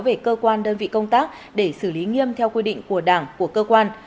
về cơ quan đơn vị công tác để xử lý nghiêm theo quy định của đảng của cơ quan